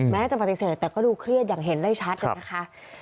แม้จะปฏิเสธแต่ก็ดูเครียดอย่างเห็นได้ชัดนะคะ